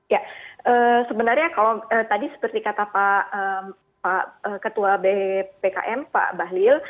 ya sebenarnya kalau tadi seperti kata pak ketua bpkm pak bahlil